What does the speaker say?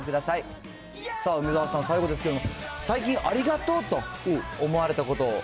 さあ、梅沢さん、最後ですけれども、最近、ありがとうと思われたこと。